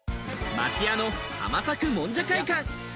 町屋の浜作もんじゃ会館。